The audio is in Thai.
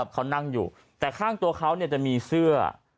เขานั่งอยู่แต่ข้างตัวเขาจะมีเสื้อ